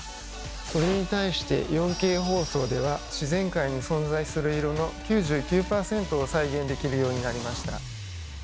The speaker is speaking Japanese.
それに対して４Ｋ放送では自然界に存在する色の９９％を再現できるようになりました。